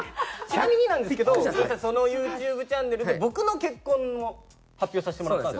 ちなみになんですけどそのユーチューブチャンネルで僕の結婚の発表をさせてもらったんです。